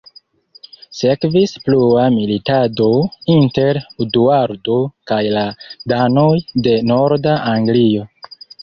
Sekvis plua militado inter Eduardo kaj la danoj de norda Anglio.